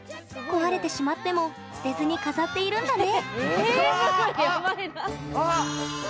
壊れてしまっても捨てずに飾っているんだね。